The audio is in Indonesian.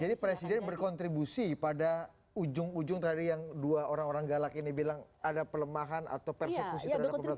jadi presiden berkontribusi pada ujung ujung tadi yang dua orang orang galak ini bilang ada pelemahan atau persekusi terhadap pemerintah sakurasi